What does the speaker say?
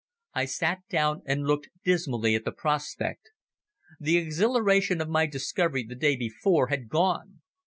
I sat down and looked dismally at the prospect. The exhilaration of my discovery the day before had gone.